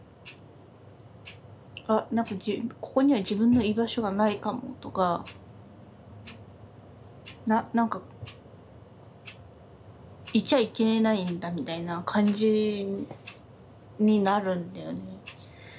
あ何かここには自分の居場所がないかもとか何かいちゃいけないんだみたいな感じになるんだよね。